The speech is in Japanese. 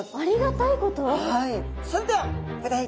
はい。